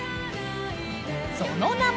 その名も。